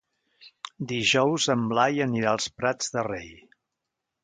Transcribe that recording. Dijous en Blai anirà als Prats de Rei.